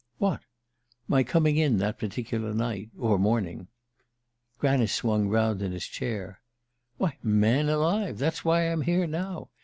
"What?" "My coming in that particular night or morning." Granice swung round in his chair. "Why, man alive! That's why I'm here now.